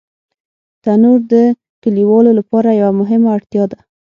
تنور د کلیوالو لپاره یوه مهمه اړتیا ده